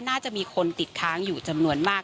น่าจะมีคนติดค้างอยู่จำนวนมาก